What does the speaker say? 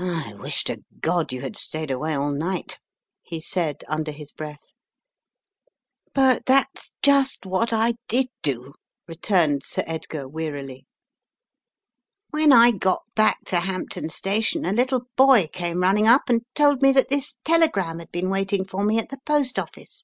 "I wish to God you had stayed away all night," he said under his breath. "But that's just what I did do," returned Sir 150 The Riddle of the Purple Emperor Edgar wearily. "When I got back to Hampton Station, a little boy came running up, and told me that this telegram had been waiting for me at the post office.